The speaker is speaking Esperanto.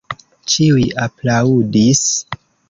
Ĉiuj aplaŭdis.